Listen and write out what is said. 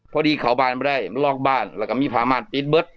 พอดีเขาบานไม่ได้ลอกบ้านแล้วก็มีพามานปี๊ดเบิร์ต